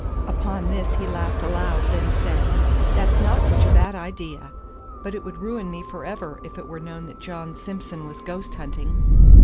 Upon this he laughed aloud, then said, "That's not such a bad idea; but it would ruin me forever if it were known that John Simson was ghost hunting."